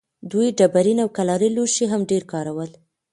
دوی ډبرین او کلالي لوښي هم ډېر کارول.